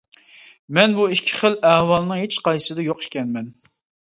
مەن بۇ ئىككى خىل ئەھۋالنىڭ ھېچقايسىسىدا يوق ئىكەنمەن.